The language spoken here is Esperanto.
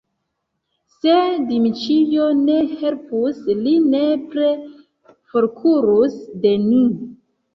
Se Dmiĉjo ne helpus, li nepre forkurus de ni!